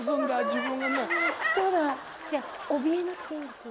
鼻クソだじゃあおびえなくていいんですね